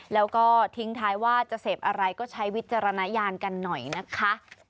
แล้วก็ทิ้งท้ายว่าจะเสพอะไรก็ใช้วิจารณญาณกันหน่อยนะคะ